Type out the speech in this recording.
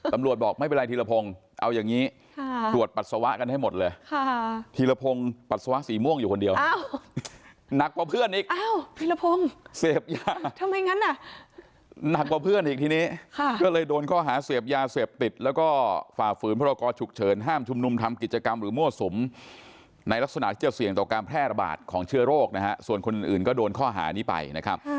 ตำรวจบอกไม่เป็นไรถีระพงเอาอย่างนี้